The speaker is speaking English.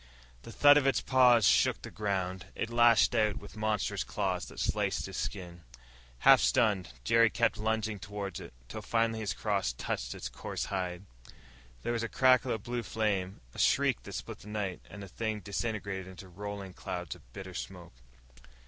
The thud of its paws shook the ground. It lashed out with monstrous claws that sliced his skin. Half stunned, Jerry kept lunging toward it, till finally his cross touched its coarse hide. There was a crackle of blue flame, a shriek that split the night, and the thing disintegrated in roiling clouds of bitter smoke.